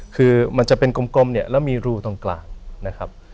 คือมันจะเป็นกลมเนี่ยแล้วมีรูตรงกลางนะครับ